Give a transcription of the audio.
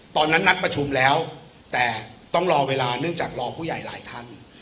นัดประชุมแล้วแต่ต้องรอเวลาเนื่องจากรอผู้ใหญ่หลายท่าน